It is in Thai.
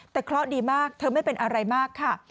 แต่เคราะห์ดีมากเธอไม่เป็นอะไรมากค่ะ